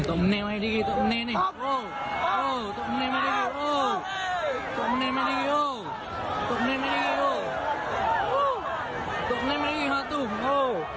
โอ้โฮโอ้โฮโอ้โฮโอ้โฮ